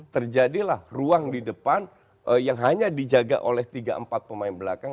terjadilah ruang di depan yang hanya dijaga oleh tiga empat pemain belakang